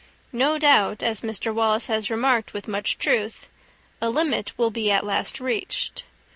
No doubt, as Mr. Wallace has remarked with much truth, a limit will be at last reached.